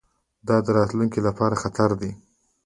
دا د راتلونکي لپاره خطر دی.